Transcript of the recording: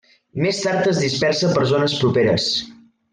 Més tard es dispersa per zones properes.